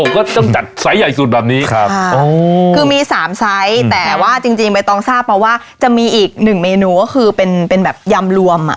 ก็ต้องจัดไซส์ใหญ่สุดแบบนี้คือมี๓ไซส์แต่ว่าจริงไม่ต้องทราบเพราะว่าจะมีอีก๑เมนูก็คือเป็นแบบยำรวม